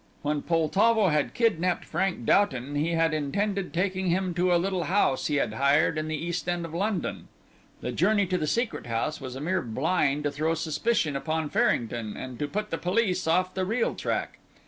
When Poltavo had kidnapped Frank Doughton he had intended taking him to a little house he had hired in the East End of London. The journey to the Secret House was a mere blind to throw suspicion upon Farrington and to put the police off the real track.